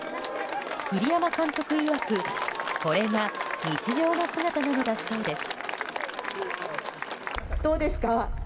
栗山監督いわくこれが日常の姿なのだそうです。